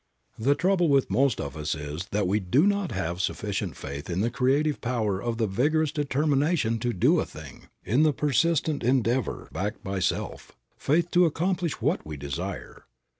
The trouble with most of us is that we do not have sufficient faith in the creative power of the vigorous determination to do a thing, in the persistent endeavor backed by self faith to accomplish what we desire.